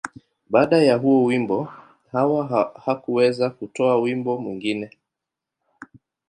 Baada ya huo wimbo, Hawa hakuweza kutoa wimbo mwingine.